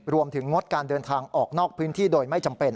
งดการเดินทางออกนอกพื้นที่โดยไม่จำเป็น